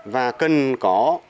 và cần có